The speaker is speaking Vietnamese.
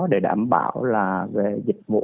để đảm bảo về dịch vụ